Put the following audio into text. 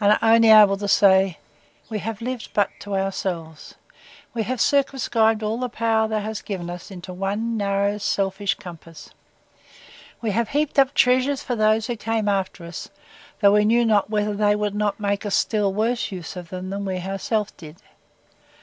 and are able only to say, We have lived but to ourselves: We have circumscribed all the power thou hast given us into one narrow, selfish, compass: We have heaped up treasures for those who came after us, though we knew not whether they would not make a still worse use of them than we ourselves did!